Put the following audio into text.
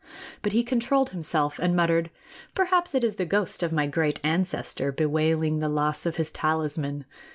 But he controlled himself and muttered: "Perhaps it is the ghost of my great ancestor, bewailing the loss of his talisman.